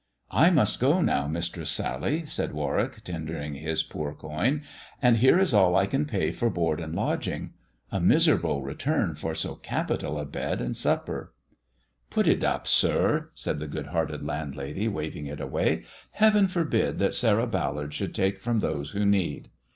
I must go now. Mistress Sally," said Warwick, tender ing his poor coin, " and here is all I can pay for board and THE dwarf's chamber 17 lodging. A miserable return for so capital a bed and supper." " Put it up, sir," said the good hearted landlady, waving it away. " Heaven forbid that Sarah Ballard should take from those who need."